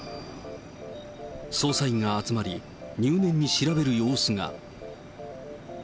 捜査員が集まり、入念に調べる様子が。